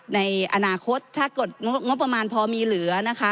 ในอนาคตถ้าเกิดงบประมาณพอมีเหลือนะคะ